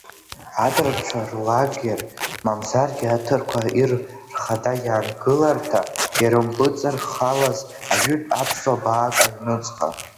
Аҭырқәцәа рлагер, мамзаргьы аҭырқәа ир рхада иаангыларҭа, ирымпыҵархалаз ажәытә аԥсуа баак аҩнуҵҟа.